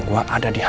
aku akan berhenti